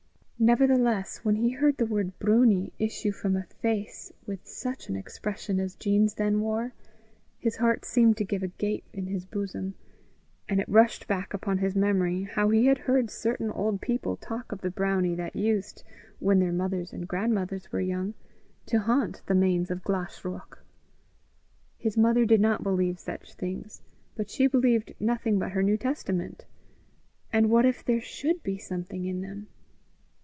Nevertheless, when he heard the word broonie issue from a face with such an expression as Jean's then wore, his heart seemed to give a gape in his bosom, and it rushed back upon his memory how he had heard certain old people talk of the brownie that used, when their mothers and grandmothers were young, to haunt the Mains of Glashruach. His mother did not believe such things, but she believed nothing but her New Testament! and what if there should be something in them?